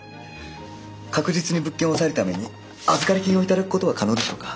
確実に物件を押さえるために預かり金をいただくことは可能でしょうか？